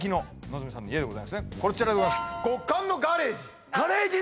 こちらでございます「極寒のガレージ」